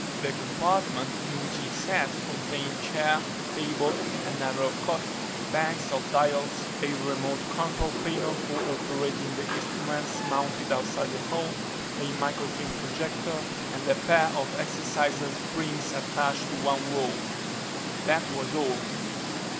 The compartment in which he sat contained chair, table, a narrow cot, banks of dials, a remote control panel for operating the instruments mounted outside the hull, a microfilm projector, and a pair of exerciser springs attached to one wall. That was all.